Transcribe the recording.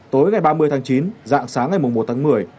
tối ngày ba mươi tháng chín dạng sáng ngày một tháng một mươi